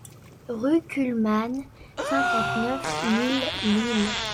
Rue Kuhlmann, cinquante-neuf mille Lille